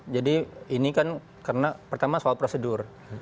jadi ini kan karena pertama soal prosedur